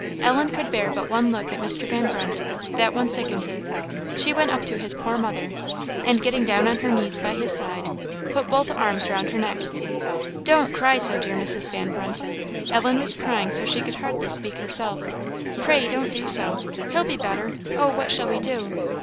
Ellen could bear but one look at Mr. Van Brunt that one sickened her. She went up to his poor mother, and, getting down on her knees by her side, put both arms round her neck. "Don't cry so, dear Mrs. Van Brunt" (Ellen was crying so she could hardly speak herself), "pray don't do so! he'll be better oh, what shall we do?"